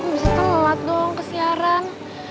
bisa kan lewat dong kesiaran